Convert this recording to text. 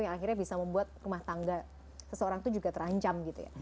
yang akhirnya bisa membuat rumah tangga seseorang itu juga terancam gitu ya